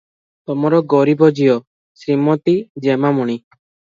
ତମର ଗରିବ ଝିଅ, ଶ୍ରୀମତୀ ଜେମାମଣି